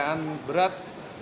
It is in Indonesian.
bukan penganiayaan berat